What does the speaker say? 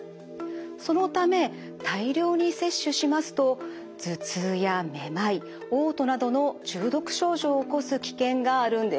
そのため大量に摂取しますと頭痛やめまいおう吐などの中毒症状を起こす危険があるんです。